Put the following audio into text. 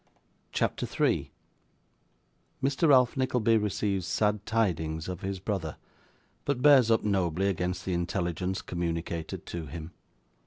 CHAPTER 3 Mr. Ralph Nickleby receives Sad Tidings of his Brother, but bears up nobly against the Intelligence communicated to him.